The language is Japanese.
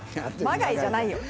まがいじゃないよ。